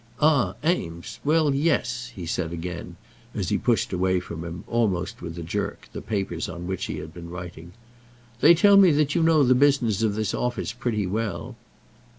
"Ah, Eames, well, yes," he said again, as he pushed away from him, almost with a jerk, the papers on which he had been writing. "They tell me that you know the business of this office pretty well."